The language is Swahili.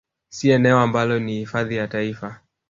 Si eneo ambalo ni Hifadhi ya taifa